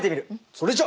それじゃ！